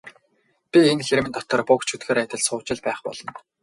Би энэ хэрмэн дотор буг чөтгөр адил сууж л байх болно.